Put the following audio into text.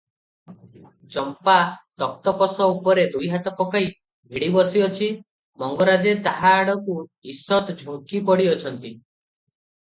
ଚମ୍ପା ତକ୍ତପୋଷ ଉପରେ ଦୁଇହାତ ପକାଇ ଭିଡ଼ି ବସିଅଛି; ମଙ୍ଗରାଜେ ତାହା ଆଡକୁ ଈଷତ୍ ଝୁଙ୍କି ପଡ଼ିଅଛନ୍ତି ।